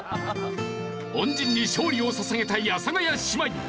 恩人に勝利を捧げたい阿佐ヶ谷姉妹。